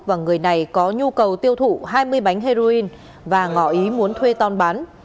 và người này có nhu cầu tiêu thụ hai mươi bánh heroin và ngỏ ý muốn thuê to bán